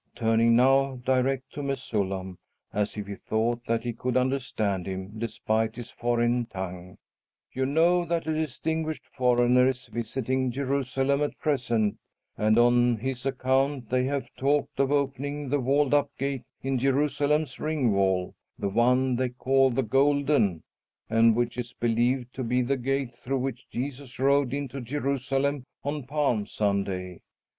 turning now direct to Mesullam, as if he thought that he could understand him, despite his foreign tongue "you know that a distinguished foreigner is visiting Jerusalem at present, and on his account they have talked of opening the walled up gate in Jerusalem's ring wall the one they call 'the Golden' and which is believed to be the gate through which Jesus rode into Jerusalem on Palm Sunday.